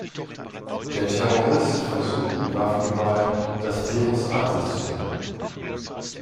Der Terrorist versucht mit Waffengewalt, das Virus an sich zu bringen.